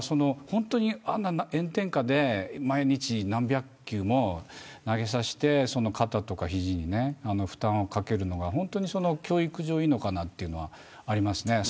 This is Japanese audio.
炎天下で毎日、何百球も投げさせて肩とか肘に負担をかけるのは教育上いいのかなというのはあります。